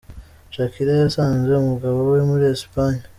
Shakira yasanze umugabo we muri Esipanye.